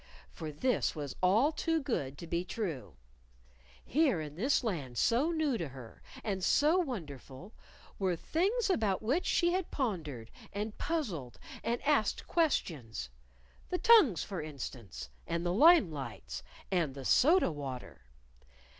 For this was all too good to be true. Here, in this Land so new to her, and so wonderful, were things about which she had pondered, and puzzled, and asked questions the tongues, for instance, and the lime lights, and the soda water.